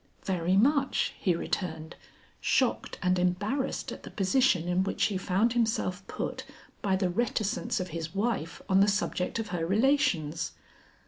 "Very much," he returned, shocked and embarrassed at the position in which he found himself put by the reticence of his wife on the subject of her relations.